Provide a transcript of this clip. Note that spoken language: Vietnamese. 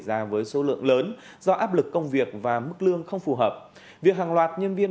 ra với số lượng lớn do áp lực công việc và mức lương không phù hợp việc hàng loạt nhân viên